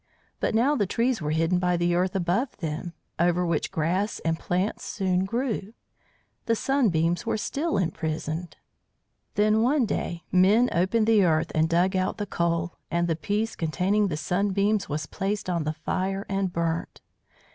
But now the trees were hidden by the earth above them, over which grass and plants soon grew. The Sunbeams were still imprisoned. Then one day men opened the earth and dug out the coal, and the piece containing the Sunbeams was placed on the fire and burnt.